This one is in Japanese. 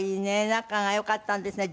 仲が良かったんですね